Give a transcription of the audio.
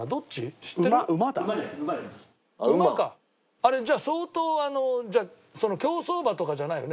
あれじゃあ相当じゃあ競走馬とかじゃないよね